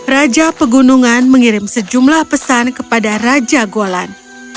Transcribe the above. raja pegunungan mengirim sejumlah pesan kepada raja golan